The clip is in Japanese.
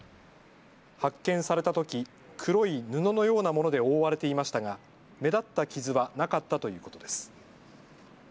発見されたとき、黒い布のようなもので覆われていましたが目立った傷はなかったということです。